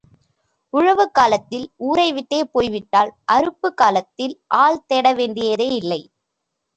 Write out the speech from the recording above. உழவு காலத்தில் ஊரை விட்டே போய்விட்டால், அறுப்புக் காலத்தில் ஆள் தேட வேண்டியதே இல்லை.